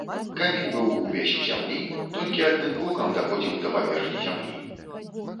Камень быў увесь у зямлі, толькі адным бокам даходзіў да паверхні зямлі.